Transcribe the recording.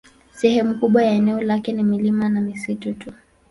Sehemu kubwa ya eneo lake ni milima na misitu tu.